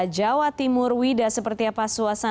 jawa timur wida seperti apa suasana